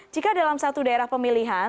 jika dalam satu daerah pemilihan